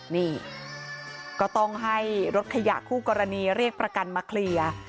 นี่ก็ต้องให้รถขยะคู่กรณีเรียกประกันมาเคลียร์